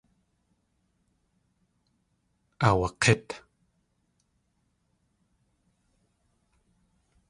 Aawak̲ít.